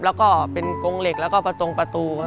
แล้วก็เป็นกงเหล็กแล้วก็ประตงประตู